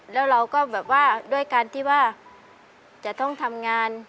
แล้วเราก็แบบว่าด้วยการที่ว่าจะต้องทำงาน